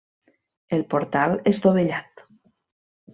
El portal és dovellat.